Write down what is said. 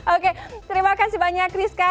oke terima kasih banyak rizka